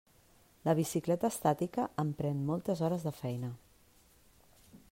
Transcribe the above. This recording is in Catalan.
La bicicleta estàtica em pren moltes hores de feina.